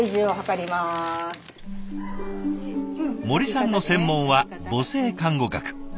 森さんの専門は母性看護学。